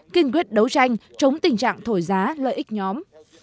kiên quyết đấu tranh chống tình trạng thổi giá lợi ích nhóm